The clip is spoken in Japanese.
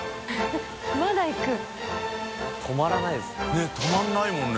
ねぇ止まらないもんね